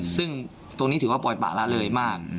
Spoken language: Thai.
ซึ่งตรงนี้ถือว่าปล่อยปะละเลยมาก